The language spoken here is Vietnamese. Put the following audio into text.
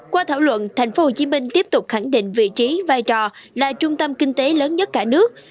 qua thảo luận tp hcm tiếp tục khẳng định vị trí vai trò là trung tâm kinh tế lớn nhất cả nước